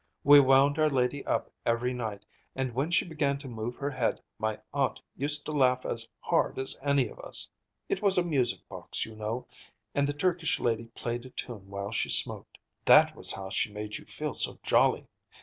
We wound our lady up every night, and when she began to move her head my aunt used to laugh as hard as any of us. It was a music box, you know, and the Turkish lady played a tune while she smoked. That was how she made you feel so jolly.